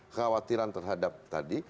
kekhawatiran terhadap tadi